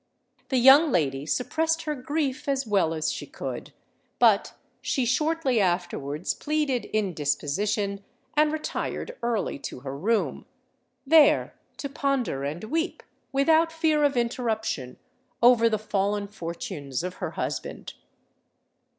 The young lady suppressed her grief as well as she could; but she shortly afterwards pleaded indisposition and retired early to her room—there to ponder and weep, without fear of interruption, over the fallen fortunes of her husband!